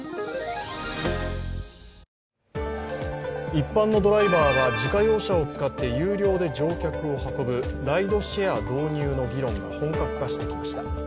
一般のドライバーが自家用車を使って、有料で乗客を運ぶライドシェア導入の議論が本格化してきました